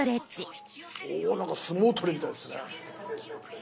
おなんか相撲取りみたいですね。